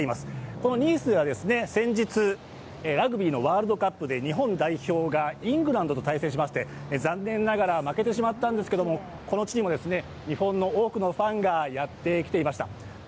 このニースは先日、ラグビーのワールドカップで日本代表がイングランドと対戦しまして、残念ながら負けてしまったんですけど、この地にも日本の多くのファンがやってきていました。